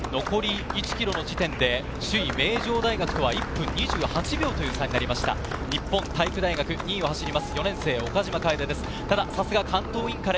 残り１ｋｍの時点で首位・名城とは１分８秒という差になりました、日本体育大学４年生の岡島楓です。